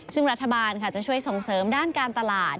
ซึ่งรัฐบาลจะช่วยส่งเสริมด้านการตลาด